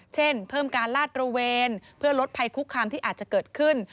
เช่นเพิ่มการลาดระเวนเพื่อลดภัยคุกคามที่อาจจะเกิดขึ้น